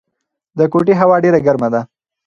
د کوټې هوا ډېره ګرمه ده.